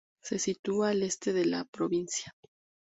Se sitúa al este de la provincia.